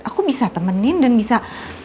aku bisa temenin dan bisa